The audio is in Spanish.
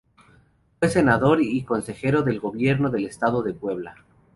Fue senador y consejero del Gobierno del Estado de Puebla.